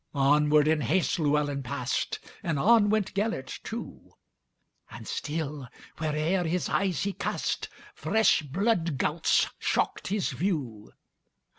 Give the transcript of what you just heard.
Onward, in haste, Llewelyn passed, And on went Gêlert too; And still, where'er his eyes he cast, Fresh blood gouts shocked his view.